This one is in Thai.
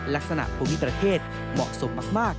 ภูมิประเทศเหมาะสมมาก